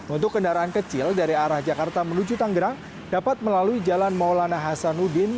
untuk kendaraan kecil dari arah jakarta menuju tanggerang dapat melalui jalan maulana hasanuddin